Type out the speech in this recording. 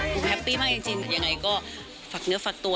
แฮปปี้มากจริงยังไงก็ฝากเนื้อฝากตัว